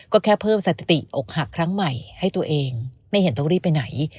ก็แค่เพิ่มสถิติอกหักครั้งใหม่ให้ตัวเองไม่เห็นต้องรีบไปไหน